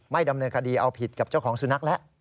ดำเนินคดีเอาผิดกับเจ้าของสุนัขแล้ว